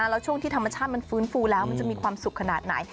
แล้วช่วงที่ธรรมชาติมันฟื้นฟูแล้วมันจะมีความสุขขนาดไหน